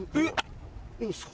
いいんすか？